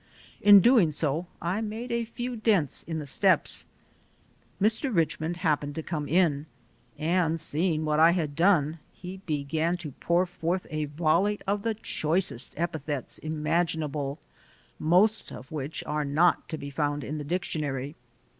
In doing so I made a few dents in the steps. Mr. Richmond hap pened to come in, and seeing what I had done, he began to pour forth a volley of the choicest epithets imaginable, most of which are not to be found in the dictionary.